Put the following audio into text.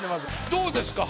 どうですか？